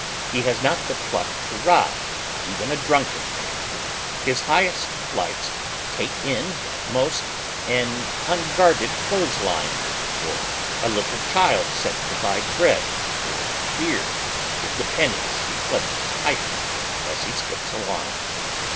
He has not the pluck to rob even a drunken man. His highest flights take in at most an unguarded clothee line, or a little child sent to buy bread or beer with the pennies he clutches tightly as he skips along.